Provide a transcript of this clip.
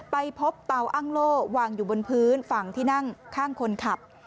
ไปพบเตาอ้างโล่วางอยู่บนพื้นฝั่งที่นั่งข้างคนขับ